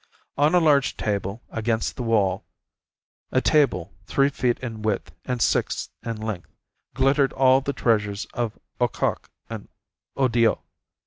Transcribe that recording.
On a large table against the wall, a table three feet in width and six in length, glittered all the treasures of Aucoc and Odiot.